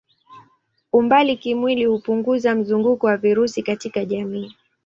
Umbali kimwili hupunguza mzunguko wa virusi katika jamii.